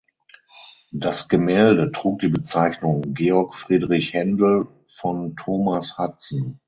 Das Gemälde trug die Bezeichnung „Georg Friedrich Händel von Thomas Hudson“.